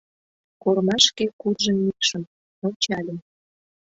Кормашке куржын мийышым, ончальым.